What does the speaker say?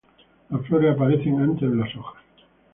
Las flores aparecen antes de las hojas.